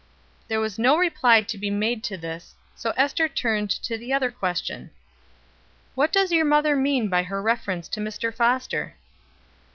There was no reply to be made to this, so Ester turned to the other question: "What does your mother mean by her reference to Mr. Foster?"